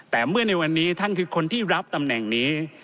แต่เมื่อในวันนี้ท่านคือคนที่รับตำแหน่งนี้